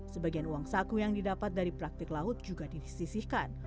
sebagian uang saku yang didapat dari praktik laut juga disisihkan